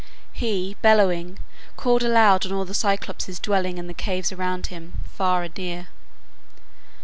He, bellowing, called aloud on all the Cyclopes dwelling in the caves around him, far and near.